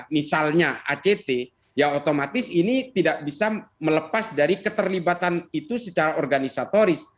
misalnya act ya otomatis ini tidak bisa melepas dari keterlibatan itu secara organisatoris